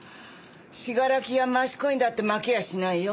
信楽や益子にだって負けやしないよ。